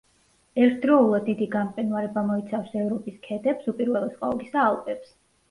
ერთდროულად დიდი გამყინვარება მოიცავს ევროპის ქედებს, უპირველეს ყოვლისა ალპებს.